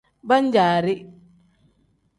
Pan-jaari.